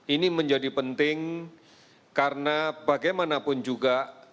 ini menjadi penting karena bagaimanapun juga